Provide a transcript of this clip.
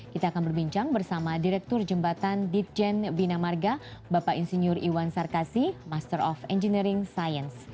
kita akan berbincang bersama direktur jembatan ditjen bina marga bapak insinyur iwan sarkasi master of engineering science